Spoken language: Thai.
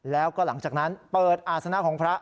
แล้วก็หลังจากนั้นเปิดอาศนะของพระ